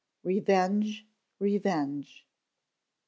REVENGE! REVENGE!